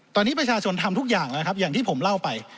ตอนนี้ประชาชนทำทุกอย่างแล้วครับอย่างที่ผมเล่าไป